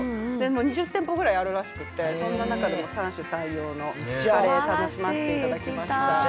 ２０店舗ぐらいあるらしくて、そんな中でも三者三様のカレー、楽しませていただきました。